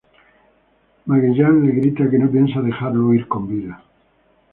Magellan le grita que no piensa dejarlo huir con vida.